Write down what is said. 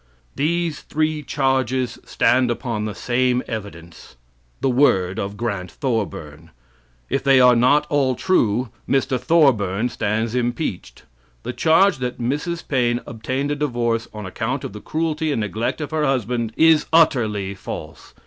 These three charges stand upon the same evidence the word of Grant Thorburn. If they are not all true, Mr. Thorburn stands impeached. The charge that Mrs. Paine obtained a divorce on account of the cruelty and neglect of her husband is utterly false.